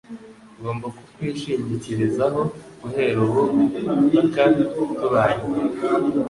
Ngomba kukwishingikirizaho guhera ubu mpaka tubanye.